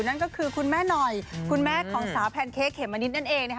นั่นก็คือคุณแม่หน่อยคุณแม่ของสาวแพนเค้กเขมมะนิดนั่นเอง